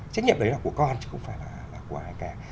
trách nhiệm đấy là của con chứ không phải là của ai cả